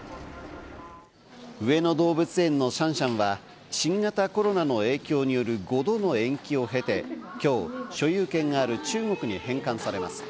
上野動物園のシャンシャンは、新型コロナの影響による５度の延期を経て、今日、所有権がある中国に返還されます。